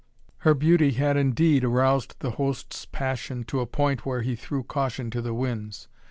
Her beauty had indeed aroused the host's passion to a point where he threw caution to the winds.